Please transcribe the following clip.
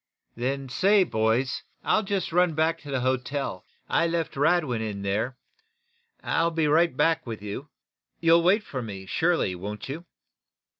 "Then say, boys, I'll just run back to the hotel. I left Radwin in there. I'll be right back with you. You'll wait for me, surely, won't you?"